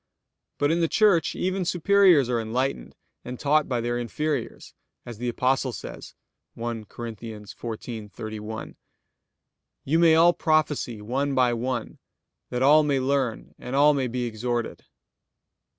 But in the Church even superiors are enlightened and taught by their inferiors, as the Apostle says (1 Cor. 14:31): "You may all prophesy one by one, that all may learn and all may be exhorted."